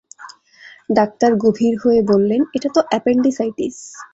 Doctor গভীর হয়ে বললেন, এটা তো অ্যাপেণ্ডিসাইটিস।